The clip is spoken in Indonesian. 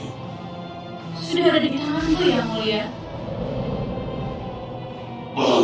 sudah ada di tanganku yang mulia